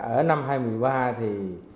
ở năm hai nghìn một mươi ba thì